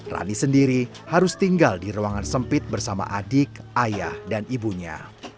rani sendiri harus tinggal di ruangan sempit bersama adik ayah dan ibunya